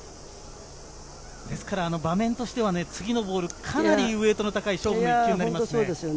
場面としては次のボールかなりウエートの高い勝負の１球になりますね。